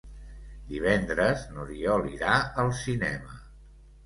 Divendres n'Oriol irà al cinema.